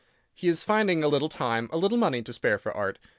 He is finding a little time, a little money to spare for art.